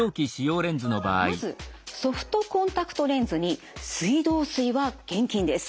まずソフトコンタクトレンズに水道水は厳禁です。